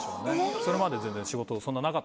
それまで全然。